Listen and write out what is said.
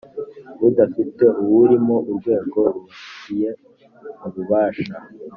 udafite uwurimo urwego rubifitiye ububasha